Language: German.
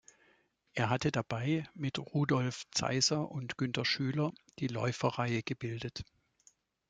Er hatte dabei mit Rudolf Zeiser und Günter Schüler die Läuferreihe gebildet.